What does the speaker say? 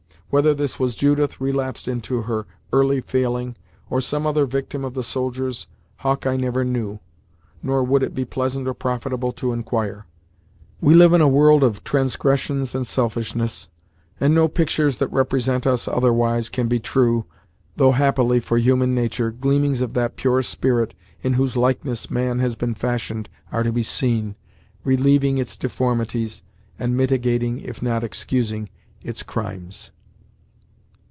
Whether this was Judith relapsed into her early failing, or some other victim of the soldier's, Hawkeye never knew, nor would it be pleasant or profitable to inquire. We live in a world of transgressions and selfishness, and no pictures that represent us otherwise can be true, though, happily, for human nature, gleamings of that pure spirit in whose likeness man has been fashioned are to be seen, relieving its deformities, and mitigating if not excusing its crimes.